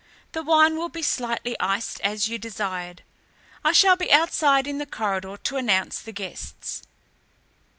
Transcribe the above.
The wine will be slightly iced, as you desired. I shall be outside in the corridor to announce the guests."